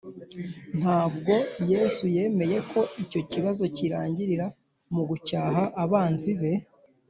ntabwo yesu yemeye ko icyo kibazo kirangirira mu gucyaha abanzi be